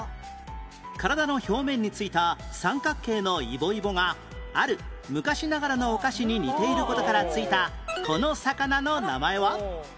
体の表面についた三角形のイボイボがある昔ながらのお菓子に似ている事から付いたこの魚の名前は？